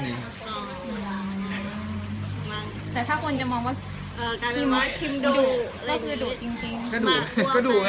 เรียกว่าขอโรศครับ